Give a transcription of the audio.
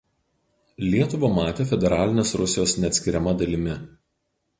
Lietuvą matė federalinės Rusijos neatskiriama dalimi.